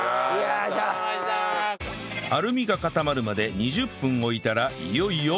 アルミが固まるまで２０分置いたらいよいよ